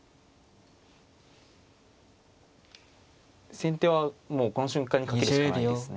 先手はもうこの瞬間に懸けるしかないですね。